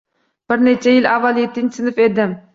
Bir necha yil avval yettinchi sinf edim.